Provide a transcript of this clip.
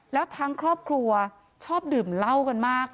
แล้วทั้งครอบครัวชอบดื่มเหล้ากันมาก